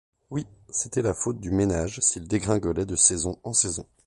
Oui, c'était la faute du ménage, s'il dégringolait de saison en saison.